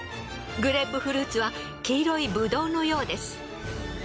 グレープフルーツは黄色いぶどうのようです。